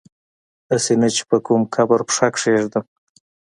هسي نه چي په کوم قبر پښه کیږدم